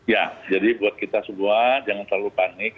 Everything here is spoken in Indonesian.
ya jadi buat kita semua jangan terlalu panik